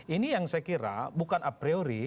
ini yang saya kira bukan a priori